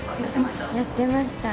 やってました？